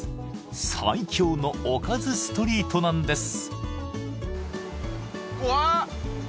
最強のおかずストリートなんです